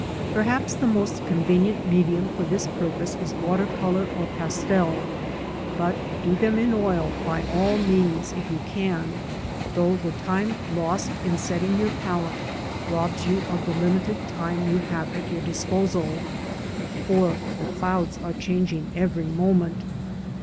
Perhaps the most convenient medium for this purpose is water colour or pastel, but do them in oil by all means if you can, though the time lost in setting your palette robs you of the limited time you have at your disposal, for the clouds are changing every moment.